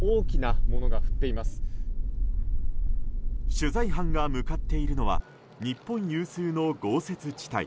取材班が向かっているのは日本有数の豪雪地帯